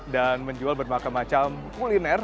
dan menjual bermacam macam kuliner